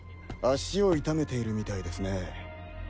足を痛めているみたいですね。